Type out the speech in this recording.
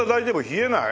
冷えない？